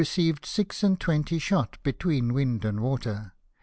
ceived six and twenty shot between wind and water.